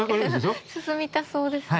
進みたそうですね。